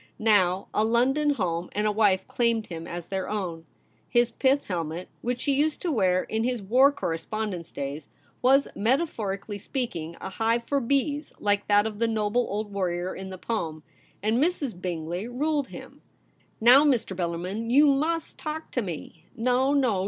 Now, a London home and a wife claimed him as their own ; his pith helmet, which he used to wear in his war correspondence days, was, metaphorically speaking, a hive for bees, like that of the noble old warrior in the poem, and Mrs. Bingley ruled him. ' Now, Mr. Bellarmin, you must talk to me. No, no.